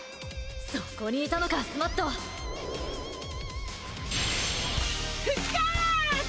そこにいたのかスマットふっかつ！